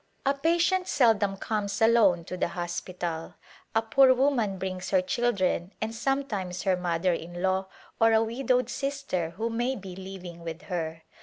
A patient seldom comes alone to the hospital. A poor woman brings her children and sometimes her mother in law or a widowed sister who may be living with her.